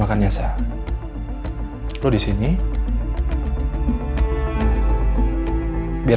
kece sama dia